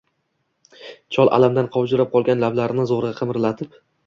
Chol alamdan qovjirab qolgan lablarini zo’rg’a qimirlatib